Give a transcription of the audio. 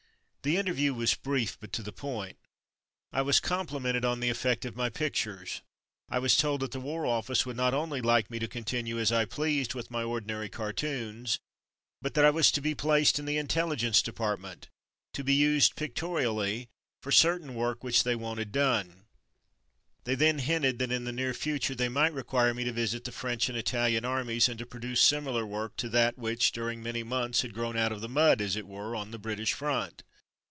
The interview was brief, but to the point. I was complimented on the effect of my pictures. I was told that the War Office would not only like me to continue as I pleased with my ordinary cartoons, but that I was to be placed in the Intelligence De partment, to be used, pictorially, for certain 148 From Mud to Mufti work which they wanted done. They then hinted that in the near future they might require me to visit the French and Italian armies, and to produce similar work to that which, during many months, had grown out of the mud, as it were, on the British front.